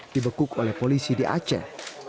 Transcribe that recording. dibekuk oleh polisi di aceh